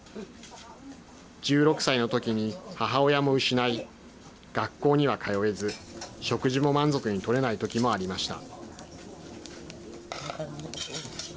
１６歳のときに母親も失い、学校には通えず、食事も満足にとれないときもありました。